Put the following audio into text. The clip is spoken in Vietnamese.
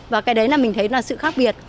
và cái đấy mình thấy là sự khác biệt